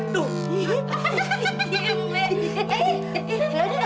nanti deh nanti deh